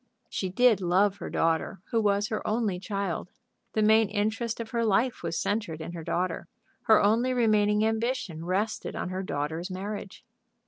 She did love her daughter, who was her only child. The main interest of her life was centred in her daughter. Her only remaining ambition rested on her daughter's marriage.